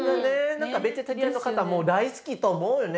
何かベジタリアンの方も大好きと思うよね。